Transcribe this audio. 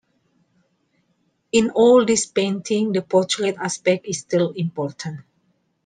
In all these paintings, the portrait aspect is still important.